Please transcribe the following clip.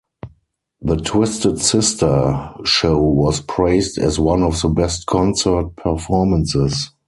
The Twisted Sister show was praised as one of the best concert performances.